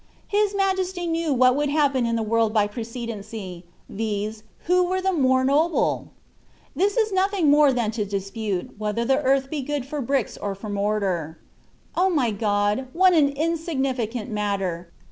* His Majesty knew what would happen in the world about precedency, viz., who was the more noble ?t This is nothing more than to dispute, whether the^arth be good for brides or for moa'tar. O my God ! what an insignificaDt matter